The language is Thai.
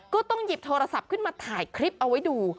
ก็ต้องหยิบโทรศัพท์ขึ้นมาถ่ายคลิปเอาไว้ดู